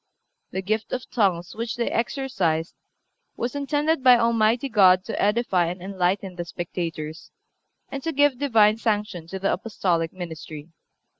The gift of tongues which they exercised was intended by Almighty God to edify and enlighten the spectators, and to give Divine sanction to the Apostolic ministry.